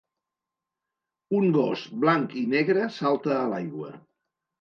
Un gos blanc i negre salta a l'aigua.